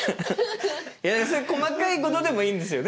そういう細かいことでもいいんですよね。